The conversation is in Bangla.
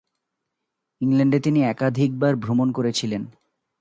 ইংল্যান্ডে তিনি একাধিকবার ভ্রমণ করেছিলেন।